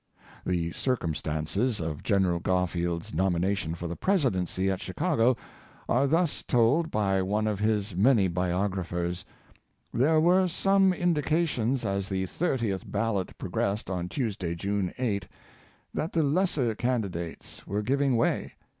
*" The circumstances of Gen. Garfield's nomination for the Presidency, at Chicago, are thus told by one of his many biographers: There were some indications as the thirtieth ballot progressed on Tuesday, June 8, that the lesser candidates were giving way.